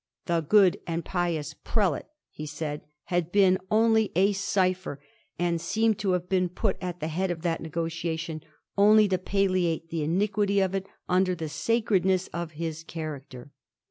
*The good and pious Prelate,' he said, had been only a cipher, and * seemed to have been put at the head of that negotiation only to palliate the iniqirity of it under the sacredness of his character.'